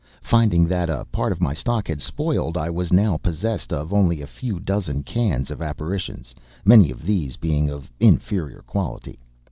Finding that a part of my stock had spoiled, I was now possessed of only a few dozen cans of apparitions, many of these being of inferior quality.